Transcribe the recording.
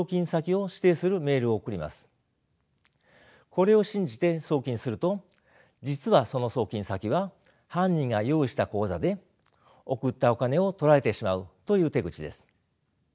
これを信じて送金すると実はその送金先は犯人が用意した口座で送ったお金をとられてしまうという手口です。